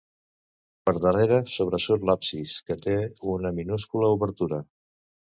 Per darrere sobresurt l'absis, que té una minúscula obertura.